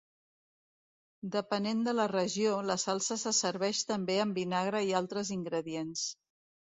Depenent de la regió, la salsa se serveix també amb vinagre i altres ingredients.